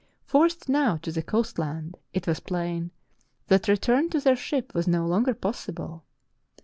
Forced now to the coast land, it was plain that return to their ship was no longer possible.